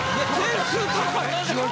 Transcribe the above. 点数高い。